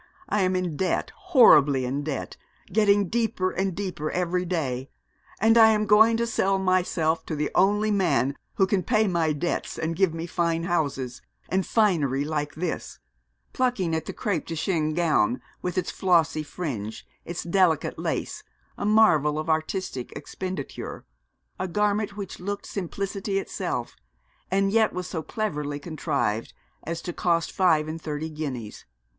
I am in debt horribly in debt getting deeper and deeper every day and I am going to sell myself to the only man who can pay my debts and give me fine houses, and finery like this,' plucking at the crêpe de chine gown, with its flossy fringe, its delicate lace, a marvel of artistic expenditure; a garment which looked simplicity itself, and yet was so cleverly contrived as to cost five and thirty guineas.